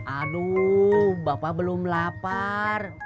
aduh bapak belum lapar